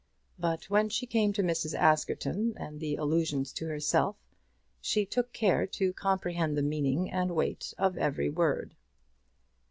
But when she came to Mrs. Askerton and the allusions to herself, she took care to comprehend the meaning and weight of every word.